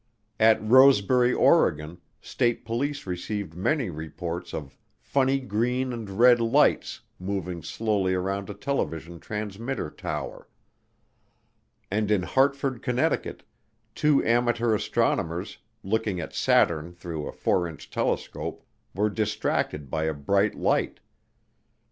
At Rosebury, Oregon, State Police received many reports of "funny green and red lights" moving slowly around a television transmitter tower. And in Hartford, Connecticut, two amateur astronomers, looking at Saturn through a 4 inch telescope, were distracted by a bright light.